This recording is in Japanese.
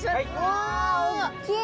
わおっきい！